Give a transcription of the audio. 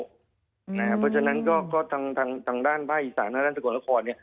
เพราะฉะนั้นก็ทางด้านภาคอีสานทางด้านสกลนคร